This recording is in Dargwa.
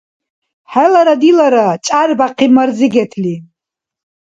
— Хӏелара дилара! — чӏярбяхъиб Марзигетли.